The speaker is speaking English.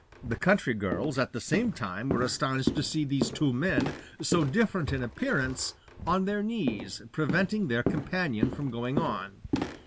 The country girls, at the same time, were astonished to see these two men, so different in appearance, on their knees, preventing their companion from going on.